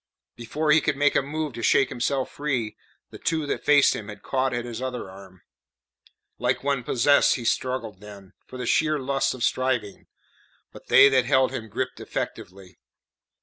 Before he could make a move to shake himself free, the two that faced him had caught at his other arm. Like one possessed he struggled then, for the sheer lust of striving; but they that held him gripped effectively.